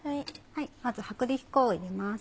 まず薄力粉を入れます。